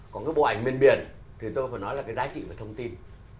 còn cái bộ ảnh miền biển thì tôi có thể nói là cái giá trị và thông tin